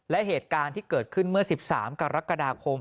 และเหตุการณ์ที่เกิดขึ้นเมื่อ๑๓กรกฎาคม